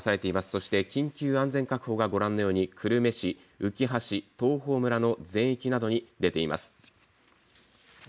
そして緊急安全確保がご覧のように久留米市、うきは市、東峰村の全域などに出ています。